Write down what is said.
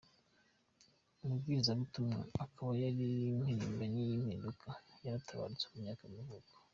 umubwirizabutumwa, akaba yari n’impirimbanyi y’impinduka, yaratabarutse, ku myaka y’amavuko.